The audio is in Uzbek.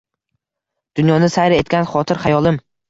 Dunyoni sayr etgan xotir-xayolim